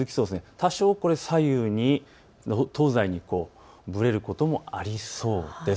多少、東西にぶれることもありそうです。